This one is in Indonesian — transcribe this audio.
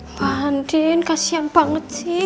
pak andin kasian banget sih